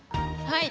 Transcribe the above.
はい。